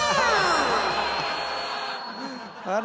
あれ？